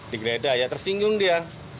digleda tersinggung dia